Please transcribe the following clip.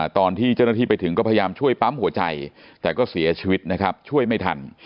ตอนที่เจ้าหน้าที่ไปถึงก็พยายามช่วยปั๊มหัวใจแต่ก็เสียชีวิตนะครับช่วยไม่ทัน